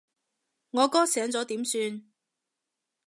我哥醒咗點算？